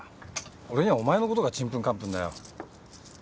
俺にはお前のことがちんぷんかんぷんだよ。